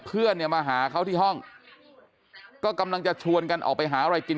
เพื่อนเนี่ยมาหาเขาที่ห้องก็กำลังจะชวนกันออกไปหาอะไรกิน